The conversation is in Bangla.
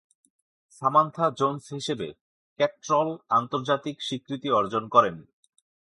সামান্থা জোন্স হিসেবে, ক্যাটট্রল আন্তর্জাতিক স্বীকৃতি অর্জন করেন।